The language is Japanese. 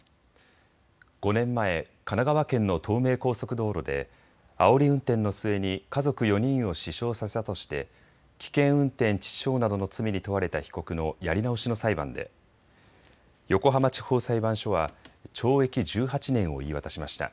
５年前、神奈川県の東名高速道路で、あおり運転の末に家族４人を死傷させたとして危険運転致死傷などの罪に問われた被告のやり直しの裁判で横浜地方裁判所は懲役１８年を言い渡しました。